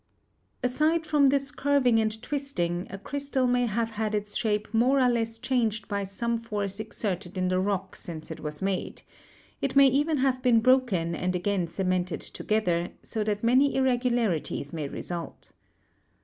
Aside from this curving and twisting, a crystal may have had its shape more or less changed by some force exerted in the rock since it was made; it may even have been broken and again cemented together, so that many irregularities may result.